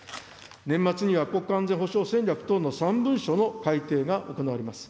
年末には国家安全保障戦略等の３文書の改定が行われます。